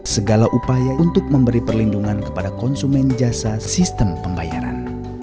segala upaya untuk memberi perlindungan kepada konsumen jasa sistem pembayaran